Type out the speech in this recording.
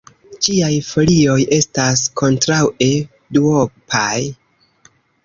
Ĝiaj folioj estas kontraŭe duopaj.